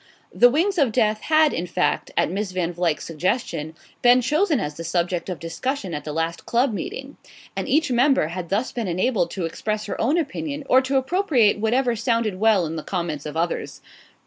"The Wings of Death" had, in fact, at Miss Van Vluyck's suggestion, been chosen as the subject of discussion at the last club meeting, and each member had thus been enabled to express her own opinion or to appropriate whatever sounded well in the comments of the others.